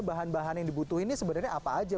bahan bahan yang dibutuhin ini sebenarnya apa aja